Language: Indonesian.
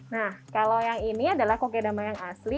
nah kalau yang ini adalah kokedama yang asli